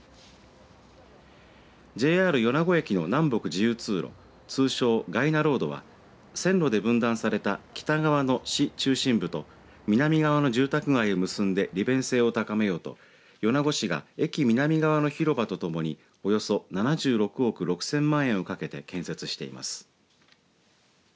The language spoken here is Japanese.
ＪＲ米子駅の南北自由通路通称、がいなロードは線路で分断された北側の市中心部と南側の住宅街を結んで利便性を高めようと米子市が駅南側の広場とともにおよそ７６億６０００万円をかけて建設しています。